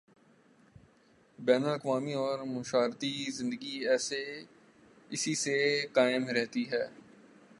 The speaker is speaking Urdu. بین الاقوامی اورمعاشرتی زندگی اسی سے قائم رہتی ہے۔